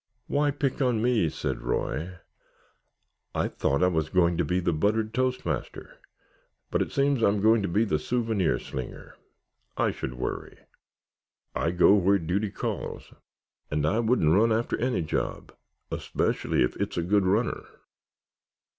"Why pick on me?" said Roy. "I thought I was going to be the buttered toast master, but it seems I'm to be the souvenir slinger. I should worry. I go where duty calls, and I wouldn't run after any job—especially if it's a good runner.